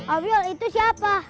awil itu siapa